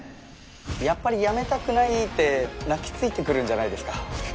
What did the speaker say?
「やっぱり辞めたくない」って泣きついてくるんじゃないですか？